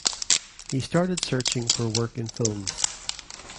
He started searching for work in films.